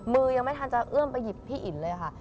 มือยังไม่ทันจะเอื้อมไปหยิบพี่อินเลยค่ะ